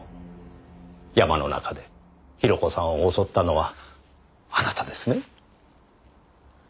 山の中で広子さんを襲ったのはあなたですね？